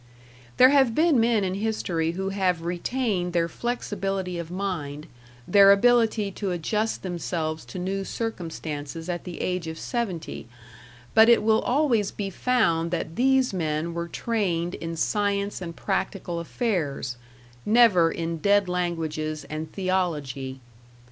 There have been men in history who have retained their flexibility of mind, their ability to adjust themselves to new circumstances at the age of seventy, but it will always be found that these men were trained in science and practical affairs, never in dead languages and theology.